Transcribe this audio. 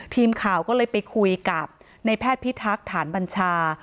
ทีมข่าวก็เลยไปคุยกับในแพทย์พิทักษ์ฐานบัญชา